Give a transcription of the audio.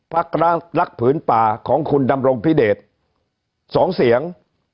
พรรคลักษณ์พื้นป่าของคุณดำรงพิเดช๒เสียง